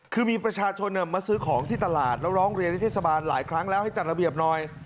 คือมีประชาชนมาซื้อของที่ตลาดแล้วร้องเรียนที่เทศบาลหลายครั้งแล้วให้จัดระเบียบหน่อย